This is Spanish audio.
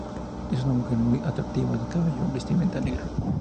Es una mujer muy atractiva, de cabello y vestimenta negra.